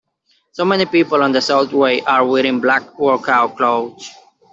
So many people on the subway are wearing black workout clothes.